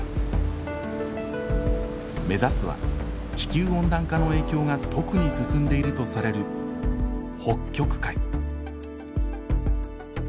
目指すは地球温暖化の影響が特に進んでいるとされる北極海。